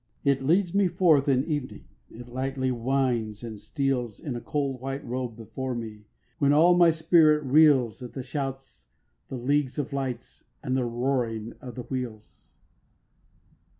4. It leads me forth at evening, It lightly winds and steals In a cold white robe before me, When all my spirit reels At the shouts, the leagues of lights, And the roaring of the wheels.